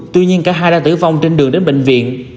tuy nhiên cả hai đã tử vong trên đường đến bệnh viện